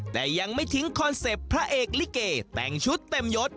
แต่ยังไม่ทิ้งคอนเซ็ปต์พระเอกลิเกแต่งชุดเต็มยศ